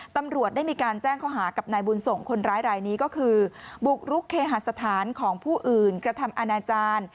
ตำรวจได้มีการแจ้งข้อหากับนายบุญส่งคนร้ายรายนี้ก็คือบุกรุกเคหาสถานของผู้อื่นกระทำอาณาจารย์